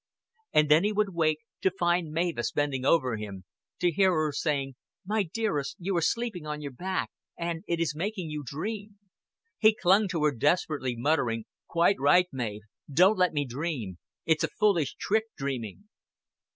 And then he would wake to find Mavis bending over him, to hear her saying, "My dearest, you are sleeping on your back, and it is making you dream." He clung to her desperately, muttering, "Quite right, Mav. Don't let me dream. It's a fullish trick dreaming."